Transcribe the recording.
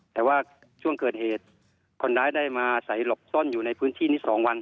แต่ว่าช่วงเกิดเหตุคนร้ายได้มาใส่หลบซ่อนอยู่ในพื้นที่นี้๒วัน